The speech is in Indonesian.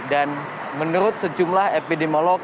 dan menurut sejumlah epidemiolog